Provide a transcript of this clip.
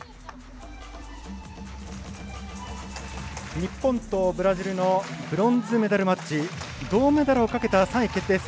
日本とブラジルのブロンズメダルマッチ銅メダルをかけた３位決定戦。